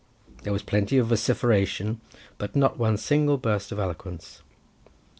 There was plenty of vociferation, but not one single burst of eloquence.